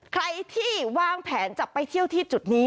ใครที่วางแผนจะไปเที่ยวที่จุดนี้